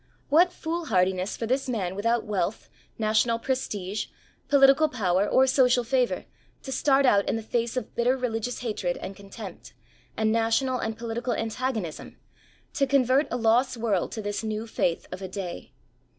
What foolhardiness for this man without wealth, national prestige, political power or social favour to start out in the face of bitter religious hatred and contempt, and national and political antagonism, to convert a lost world to this new faith of a day